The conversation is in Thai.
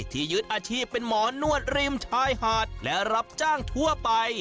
ยึดอาชีพเป็นหมอนวดริมชายหาดและรับจ้างทั่วไป